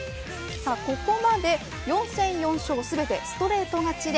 ここまで、４戦４勝全てストレート勝ちで